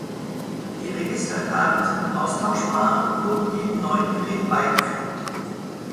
Die Registerkarten sind austauschbar und wurden jedem neuen Gerät beigefügt.